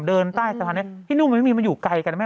เดินใต้สะพานนี้ที่นู่นมันไม่มีมันอยู่ไกลกันนะแม่